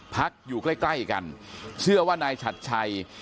พักอยู่ใกล้ใกล้กันเชื่อว่านายฉัดชัย